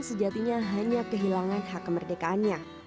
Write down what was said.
sejatinya hanya kehilangan hak kemerdekaannya